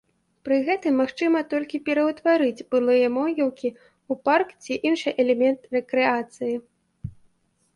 Пры гэтым магчыма толькі пераўтварыць былыя могілкі ў парк ці іншы элемент рэкрэацыі.